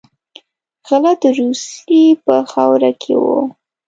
غله د روسیې په خاوره کې وو.